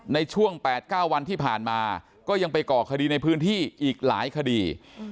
ในช่วง๘๙วันที่ผ่านมาก็ยังไปก่อคดีในพื้นที่อีกหลายคดี